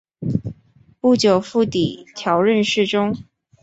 不久傅祗调任侍中。